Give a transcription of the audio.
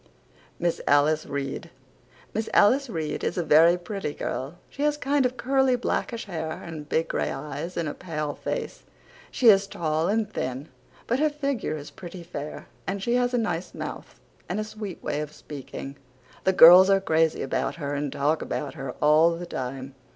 MISS ALICE READE Miss Alice Reade is a very pretty girl. She has kind of curly blackish hair and big gray eyes and a pale face. She is tall and thin but her figure is pretty fair and she has a nice mouth and a sweet way of speaking. The girls are crazy about her and talk about her all the time.